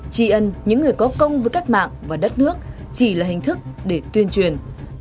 chỉ ân những người có công với các mạng và đất nước chỉ là hình thức để tuyên truyền